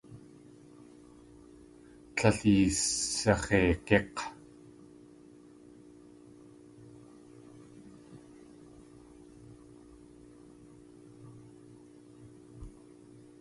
Líl yisax̲eig̲ík̲!